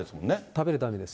食べるためです。